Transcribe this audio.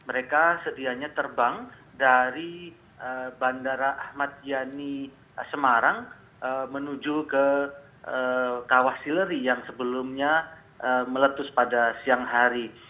mereka sedianya terbang dari bandara ahmad yani semarang menuju ke kawah sileri yang sebelumnya meletus pada siang hari